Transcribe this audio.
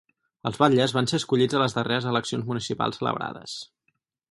Els batlles van ser escollits a les darreres eleccions municipals celebrades.